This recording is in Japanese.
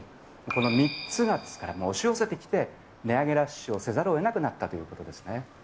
この３つが押し寄せてきて、値上げラッシュをせざるをえなくなったということですね。